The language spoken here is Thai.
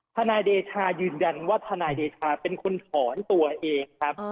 ทนายเดชายืนยันว่าทนายเดชาเป็นคนถอนตัวเองครับ